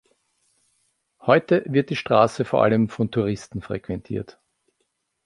Heute wird die Straße vor allem von Touristen frequentiert.